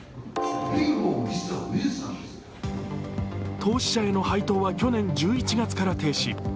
投資者への配当は去年１１月から停止。